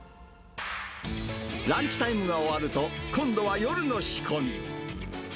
ランチタイムが終わると、今度は夜の仕込み。